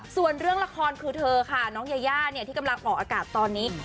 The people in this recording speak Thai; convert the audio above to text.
ส่วนเรื่องละครคือเธอค่ะน้องยาย่าที่กำลังออกอากาศตอนนี้